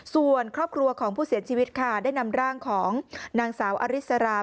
ส่วนครอบครัวของผู้เสียชีวิตค่ะได้นำร่างของนางสาวอริสรา